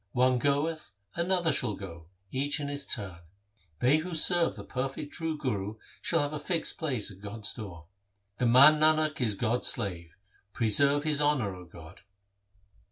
One goeth, another shall go — each in his turn. They who serve the perfect true Guru shall have a fixed place at God's door. The man Nanak is God's slave, preserve his honour, 0 God.